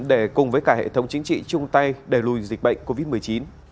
để cùng với cả hệ thống chính trị chung tay đẩy lùi dịch bệnh covid một mươi chín